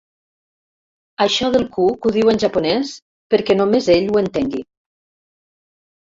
Això del cuc ho diu en japonès, perquè només ell ho entengui.